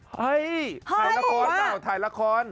เฮ่ยถ่ายละครถ่ายละคร